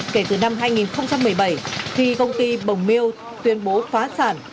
kể từ năm hai nghìn một mươi bảy thì công ty bồng miêu tuyên bố phá sản